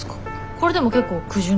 これでも結構苦渋の決断よ？